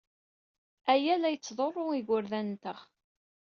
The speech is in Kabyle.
Aya la yettḍurru igerdan-nteɣ.